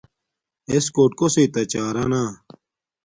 اݵسکݸٹ کݸسݵئ تݳ چݳرہ نݳ.